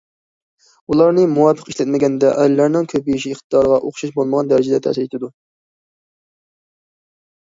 ئۇلارنى مۇۋاپىق ئىشلەتمىگەندە ئەرلەرنىڭ كۆپىيىش ئىقتىدارىغا ئوخشاش بولمىغان دەرىجىدە تەسىر يېتىدۇ.